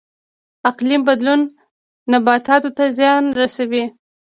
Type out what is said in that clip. اقلیم بدلون نباتاتو ته زیان رسوي